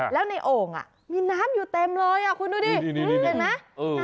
แล้วในโอ่งอ่ะมีน้ำอยู่เต็มเลยอ่ะคุณดูดิดีดีดีอืมเห็นไหม